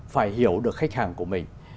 phải hiểu được khách hàng của mình